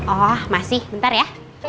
oh masih bentar ya